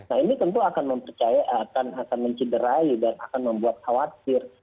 nah ini tentu akan mempercaya akan mencederai dan akan membuat khawatir